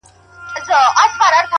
• ځه پرېږده وخته نور به مي راويښ کړم ـ